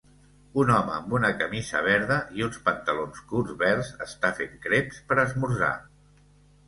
Un home amb una camisa verda i uns pantalons curts verds està fent creps per esmorzar.